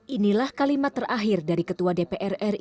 inilah kalimat terakhir dari ketua dpr ri